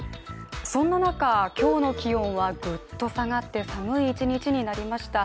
そんな中、今日の気温はぐっと下がって寒い一日になりました。